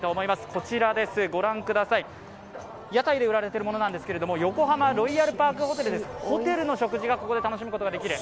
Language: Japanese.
こちらです、屋台で売られているものなんですが横浜ロイヤルパークホテル、ホテルの食事がここで楽しむことができる。